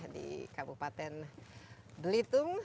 di kabupaten belitung